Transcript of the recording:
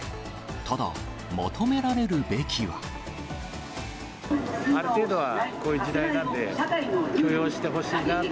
ただ、ある程度は、こういう時代なんで、許容してほしいなと。